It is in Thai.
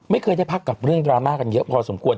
ไม่เคยได้พักกับเรื่องดราม่ากันเยอะพอสมควร